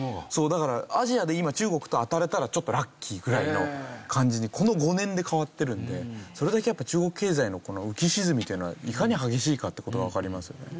だからアジアで今中国と当たれたらちょっとラッキーぐらいの感じにこの５年で変わってるんでそれだけやっぱ中国経済のこの浮き沈みというのがいかに激しいかって事がわかりますよね。